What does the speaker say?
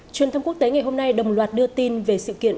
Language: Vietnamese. truyền thông quốc tế ngày hôm nay đồng loạt đưa tin về sự kiện